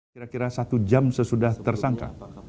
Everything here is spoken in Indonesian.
kira kira satu jam sesudah tersangka